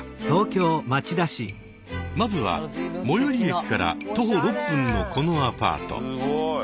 まずは最寄り駅から徒歩６分のこのアパート。